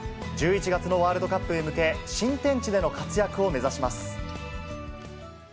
１１月のワールドカップへ向け、新天地での活躍を目指します。